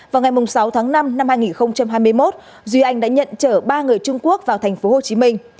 vào ngày sáu tháng năm năm hai nghìn hai mươi một duy anh đã nhận chở ba người trung quốc vào thành phố hồ chí minh